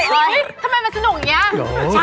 ทำไมมันสนุกอย่างงี้